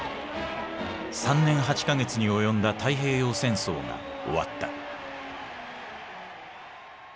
３年８か月に及んだ太平洋戦争が終わった。